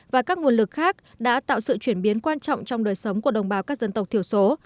và các nguồn lực khác đã tạo sự chuyển biến quan trọng trong đời sống của đồng bào các dân tộc thiểu số